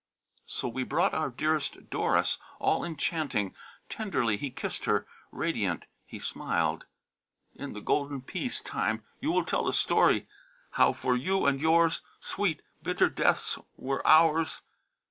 So we brought our dearest, Doris all enchanting; Tenderly he kissed her; radiant he smiled. "In the golden peace time you will tell the story How for you and yours, sweet, bitter deaths were ours.